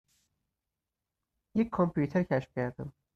یک کامپیوتر کشف کردم.